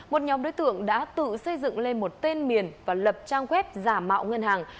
một nhóm đối tượng đã tự xây dựng lên một tên miền và lập trang web giả mạo ngân hàng